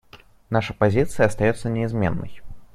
Наша позиция остается неизменной.